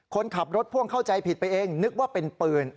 คนขับรถพ่วงเข้าใจผิดไปเองนึกว่าเป็นปืน